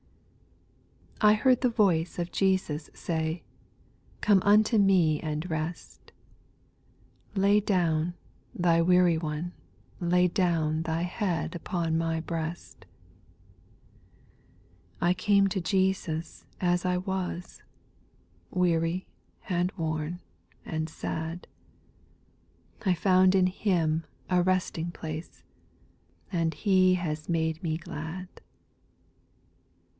1. T HEARD the voice of Jeaus say, jl Come unto me and rest ; Lay down, thou weary one, lay down Thy head upon my breast. I came to Jesus as I was, Weary, and worn, and sad, I found in Him a resting place, And He has made me glad.